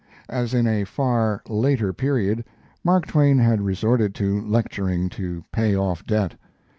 As in a far later period, Mark Twain had resorted to lecturing to pay off debt.